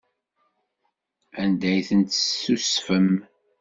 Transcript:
Anda ay tent-tessusfem?